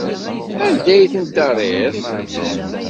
Anda ay ten-terriḍ?